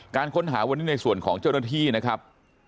การค้นหาวันนี้ในส่วนของเจ้าหน้าที่นะครับ